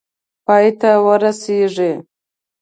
پای ته ورسیږي.